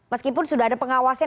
meskipun sudah ada pengawasnya